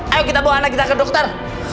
ayo kita bawa anak kita ke dokter